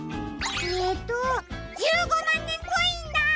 えっと１５まんねんコインだ！